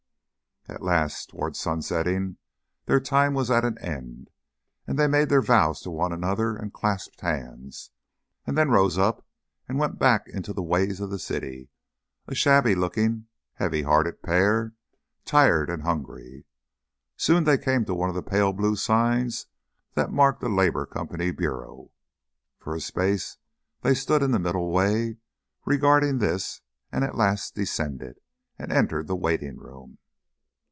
At last towards sunsetting their time was at an end, and they made their vows to one another and clasped hands, and then rose up and went back into the ways of the city, a shabby looking, heavy hearted pair, tired and hungry. Soon they came to one of the pale blue signs that marked a Labour Company Bureau. For a space they stood in the middle way regarding this and at last descended, and entered the waiting room.